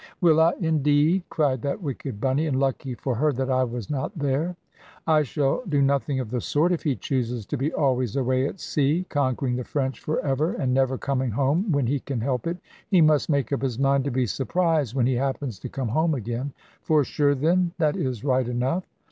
"Will I, indeed?" cried that wicked Bunny, and lucky for her that I was not there: "I shall do nothing of the sort. If he chooses to be always away at sea, conquering the French for ever, and never coming home when he can help it, he must make up his mind to be surprised when he happens to come home again. For sure then, that is right enough."